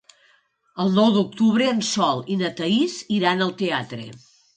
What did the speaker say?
El nou d'octubre en Sol i na Thaís iran al teatre.